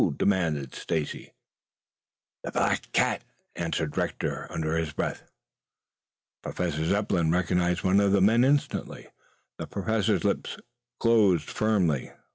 demanded Stacy. "The black cat," answered Rector under his breath. Professor Zepplin recognized one of the men instantly. The Professor's lips closed firmly.